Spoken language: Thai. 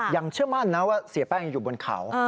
เชื่อมั่นนะว่าเสียแป้งยังอยู่บนเขา